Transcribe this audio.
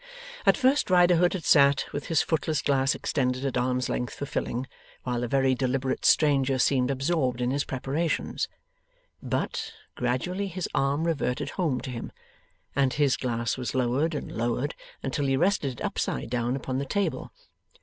At first Riderhood had sat with his footless glass extended at arm's length for filling, while the very deliberate stranger seemed absorbed in his preparations. But, gradually his arm reverted home to him, and his glass was lowered and lowered until he rested it upside down upon the table.